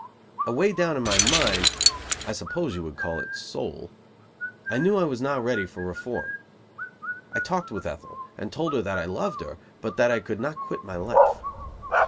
Away down in my mind (I suppose you would call it soul) I knew I was not ready for reform. I talked with Ethel, and told her that I loved her, but that I could not quit my life.